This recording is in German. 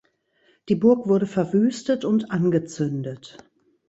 Die Burg wurde verwüstet und angezündet.